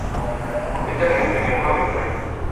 Ku bijyanye n’imirimo ivunanye